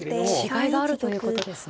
違いがあるということですね。